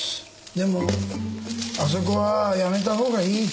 でもあそこはやめた方がいい。